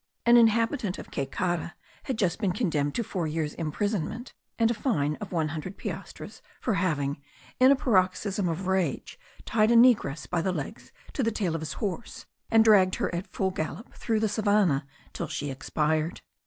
An inhabitant of Caycara had just been condemned to four years' imprisonment, and a fine of one hundred piastres for having, in a paroxysm of rage, tied a negress by the legs to the tail of his horse, and dragged her at full gallop through the savannah till she expired.